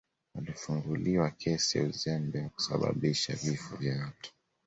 alifunguliwa kesi ya uzembe wa kusababisha vifo vya watu